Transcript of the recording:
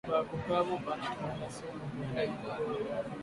Ba bukavu banatilianaka sumu mu bya kurya